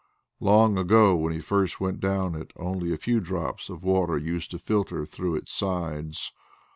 Long ago, when he first went down it, only a few drops of water used to filter through its sides.